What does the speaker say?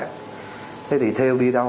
thế thì thêu đi đâu